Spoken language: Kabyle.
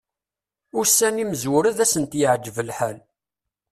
Ussan imezwura ad asent-yeɛǧeb lḥal.